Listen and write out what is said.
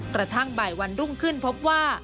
กระทั่งบ่ายวันรุ่งขึ้นพบว่า